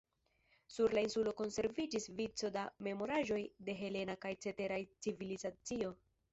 Sur la insulo konserviĝis vico da memoraĵoj de helena kaj ceteraj civilizacioj.